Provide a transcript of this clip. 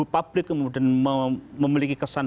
publik kemudian memiliki kesan